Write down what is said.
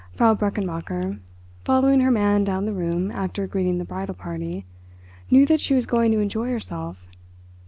Frau Brechenmacher, following her man down the room after greeting the bridal party, knew that she was going to enjoy herself.